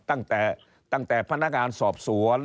ตั้งแต่พนักงานสอบสวน